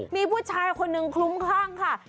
มีผู้ชายคนหนึ่งคลุ้มคลั่งค่ะ